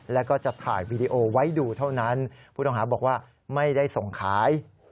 แล้วก็จะถ่ายวีดีโอไว้ดูเท่านั้นผู้ต้องหาบอกว่าไม่ได้ส่งขาย